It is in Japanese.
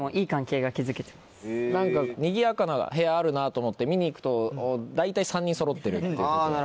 何かにぎやかな部屋あるなと思って見に行くと大体３人そろってるっていうことが。